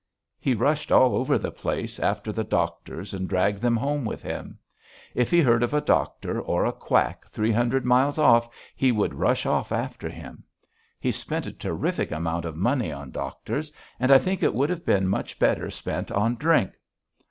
He rushed all over the place after the doctors and dragged them home with him. If he heard of a doctor or a quack three hundred miles off he would rush off after him. He spent a terrific amount of money on doctors and I think it would have been much better spent on drink.